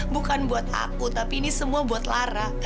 bukan buat aku tapi ini semua buat lara